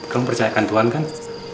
kamu percayakan tuhan kan